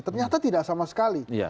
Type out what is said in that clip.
ternyata tidak sama sekali